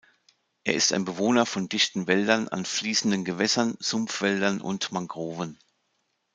Er ist ein Bewohner von dichten Wäldern an fließenden Gewässern, Sumpfwäldern und Mangroven.